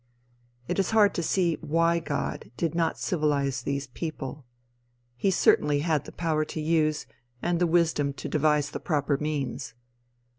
It is hard to see why God did not civilize these people. He certainly had the power to use, and the wisdom to devise the proper means.